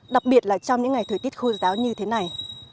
đặc biệt là trong những ngày thời tiết khô giáo như thế này